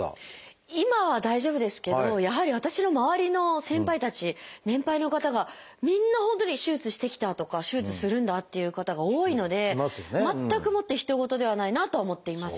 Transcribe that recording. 今は大丈夫ですけどやはり私の周りの先輩たち年配の方がみんな本当に手術してきたとか手術するんだっていう方が多いので全くもってひと事ではないなとは思っています。